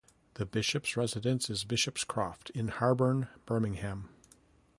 The Bishop's residence is Bishop's Croft in Harborne, Birmingham.